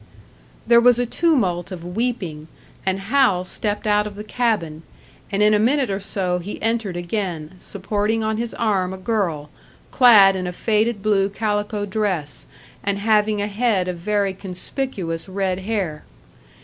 There was a tumult of weeping, and Hal stepped out of the cabin, and in a minute or so he entered again, supporting on his arm a girl, clad in a faded blue calico dress, and having a head of very conspicuous red hair.